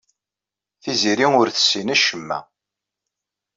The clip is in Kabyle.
Tiziri ur tessin acemma.